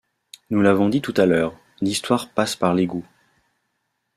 Nous l’avons dit tout à l’heure, l’histoire passe par l’égout.